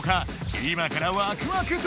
今からワクワクだ！